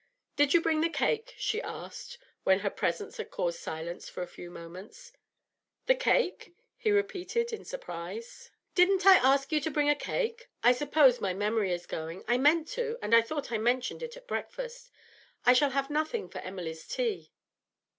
'Did you bring the cake?' she asked, when her presence had caused silence for a few moments. 'The cake?' he repeated in surprise. 'Didn't I ask you to bring a cake? I suppose my memory is going; I meant to, and thought I mentioned it at breakfast. I shall have nothing for Emily's tea.'